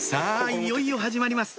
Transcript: いよいよ始まります